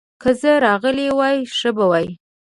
که زه راغلی وای، ښه به وای.